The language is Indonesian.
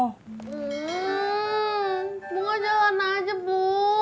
hmm bunga jangan aja bu